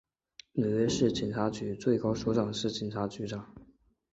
纽约市警察局最高首长是警察局长。